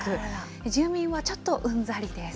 住民はちょっとうんざりです。